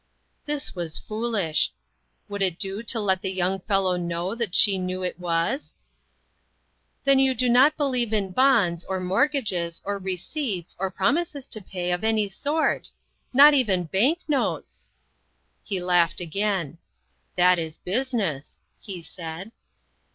This was foolish. Would it do to let the young fellow know that she knew it was ?" Then you do not believe in bonds, or mortgages, or receipts, or promises to pay, of any sort not even bank notes !" He laughed again. " That is business," he said.